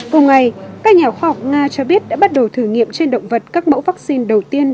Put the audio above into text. cùng ngày các nhà khoa học nga cho biết đã bắt đầu thử nghiệm trên động vật các mẫu vaccine đầu tiên